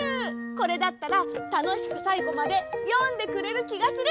これだったらたのしくさいごまでよんでくれるきがする！